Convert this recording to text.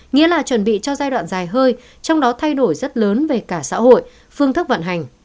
nghĩa là chuẩn bị cho giai đoạn dài hơi trong đó thay đổi rất lớn về cả xã hội phương thức vận hành